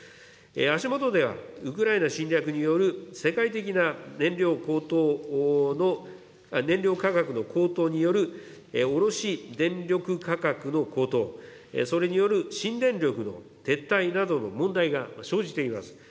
足下では、ウクライナ侵略による世界的な燃料価格の高騰による、卸し電力価格の高騰、それによる新電力の撤退などの問題が生じています。